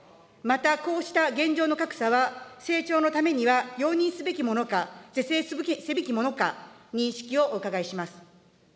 また、こうした現状の格差は成長のためには容認すべきものか、是正すべきものか、認識をお伺いします。